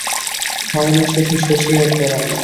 হয় না শুধু শশী আর পরাণের।